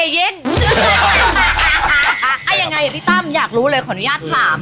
ยังไงพี่ตั้มอยากรู้เลยขออนุญาตถาม